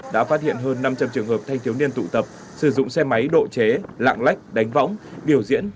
đã phát hiện hơn năm trăm linh trường hợp thanh thiếu niên tụ tập sử dụng xe máy độ chế lạng lách đánh võng biểu diễn